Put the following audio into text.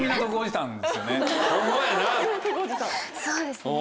そうですね。